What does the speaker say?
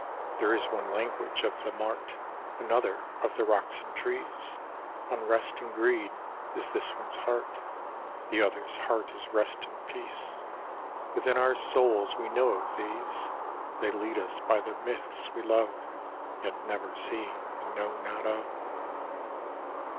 There is one language of the mart; Another of the rocks and trees: Unrest and greed is this one's heart; The other's heart is rest and peace: Within our souls we know of these; They lead us by the myths we love, Yet never see and know not of.